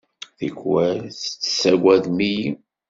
Tikkal, tessaggadem-iyi.